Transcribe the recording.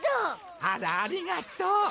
あらありがとう。